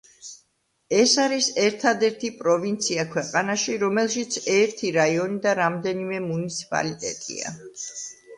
ეს არის ერთადერთი პროვინცია ქვეყანაში, რომელშიც ერთი რაიონი და რამდენიმე მუნიციპალიტეტია.